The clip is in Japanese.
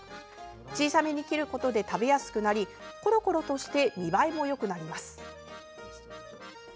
小さめに切ることで食べやすくなりコロコロとして見栄えもよくなります。